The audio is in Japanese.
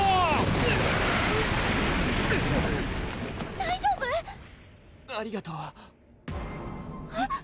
ウウ大丈夫⁉ありがとうえっ？